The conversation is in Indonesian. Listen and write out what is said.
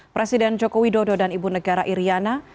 presiden joko widodo dan ibu negara iryana